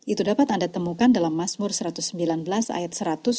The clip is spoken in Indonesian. itu dapat anda temukan dalam masmur satu ratus sembilan belas ayat satu ratus sebelas